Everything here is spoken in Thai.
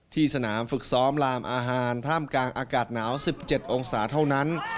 สนามฝึกซ้อมลามอาหารท่ามกลางอากาศหนาว๑๗องศาเท่านั้น